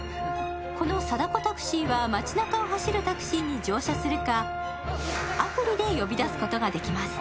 この貞子タクシーは街なかを走るタクシーに乗車するかアプリで呼び出すことができます。